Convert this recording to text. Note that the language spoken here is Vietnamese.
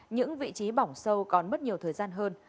những vị trí bỏng sâu còn mất nhiều thời gian hơn